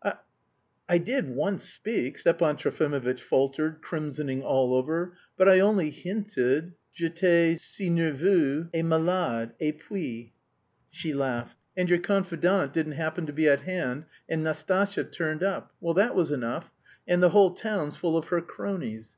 "I... I did once speak," Stepan Trofimovitch faltered, crimsoning all over, "but... I only hinted... j'étais si nerveux et malade, et puis..." She laughed. "And your confidant didn't happen to be at hand, and Nastasya turned up. Well that was enough! And the whole town's full of her cronies!